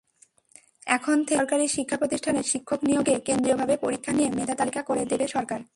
এখন থেকে বেসরকারি শিক্ষাপ্রতিষ্ঠানে শিক্ষক নিয়োগে কেন্দ্রীয়ভাবে পরীক্ষা নিয়ে মেধাতালিকা করে দেবে সরকার।